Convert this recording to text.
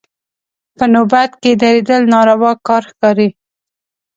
په نوبت کې درېدل ناروا کار ښکاري.